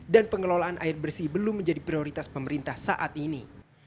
dan pengelolaan air bersih belum menjadi prioritas pemerintah saat ini